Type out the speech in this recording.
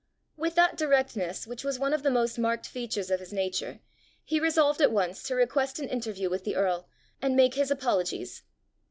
With that directness which was one of the most marked features of his nature, he resolved at once to request an interview with the earl, and make his apologies.